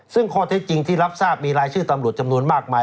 ซึ่งข้อเท็จจริงที่รับทราบมีรายชื่อตำรวจจำนวนมากมาย